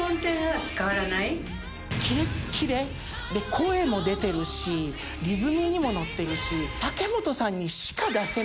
声も出てるしリズムにも乗ってるし。